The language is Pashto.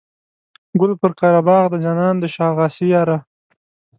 ګل پر قره باغ دی جانانه د شا غاسي یاره.